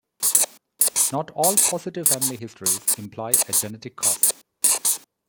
Not all positive family histories imply a genetic cause.